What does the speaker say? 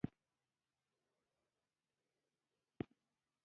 د هلمند په دیشو کې د فلورایټ نښې شته.